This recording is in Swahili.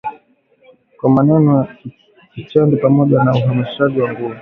Kwa maneno na vitendo, pamoja na uhamasishaji wa nguvu.